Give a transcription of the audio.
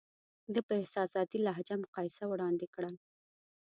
ده په احساساتي لهجه مقایسه وړاندې کړه.